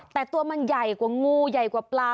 แต่ตัวมันใหญ่กว่างูใหญ่กว่าปลา